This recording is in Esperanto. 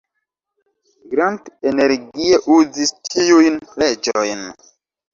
Grant energie uzis tiujn leĝojn.